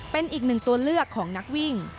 เป็นอีกหนึ่งตัวเลือกของนักวิ่ง